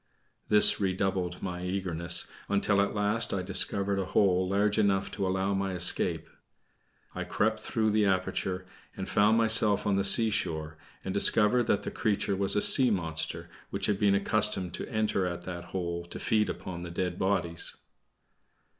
This redoubled my eagerness, until at last I discovered a hole large enough to allow my escape. I crept through the aperture, and found myself on the seashore, and discovered that the creature was a sea monster which had been accustomed to enter at that hole to feed upon the dead bodies.